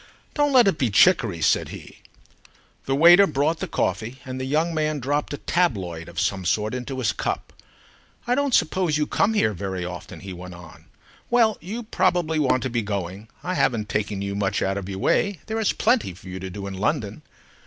"Don't let it be chicory," said he. The waiter brought the coffee, and the young man dropped a tabloid of some sort into his cup. "I don't suppose you come here very often," he went on. "Well, you probably want to be going. I haven't taken you much out of your way, there is plenty for you to do in London."